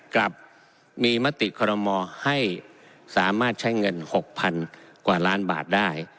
กลับมีมติคอรมอให้สามารถใช้เงิน๖๐๐๐กว่าล้านบาทได้